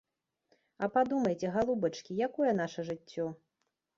А падумайце, галубачкі, якое наша жыццё?